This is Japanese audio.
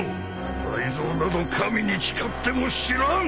雷ぞうなど神に誓っても知らん